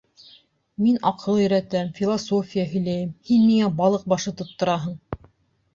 Мин аҡыл өйрәтәм, философия һөйләйем, һин миңә балыҡ башы тоттораһың!